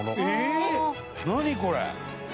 何これ！